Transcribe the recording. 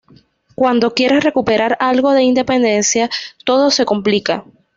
Cuando quiere recuperar algo de independencia, todo se complica.